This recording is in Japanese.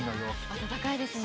暖かいですね。